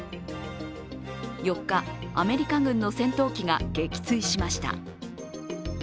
４日、アメリカ軍の戦闘機が撃墜しました。